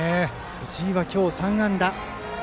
藤井は今日３安打。